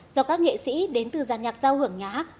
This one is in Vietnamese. do các nghệ sĩ đến từ giàn nhạc giao hưởng nhạc